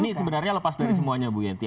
ini sebenarnya lepas dari semuanya bu yenti